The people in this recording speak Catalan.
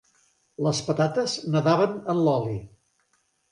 Les patates nedaven en l'oli.